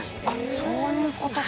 そういうことか。